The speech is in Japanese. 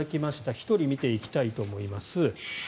１人、見ていきたいと思います。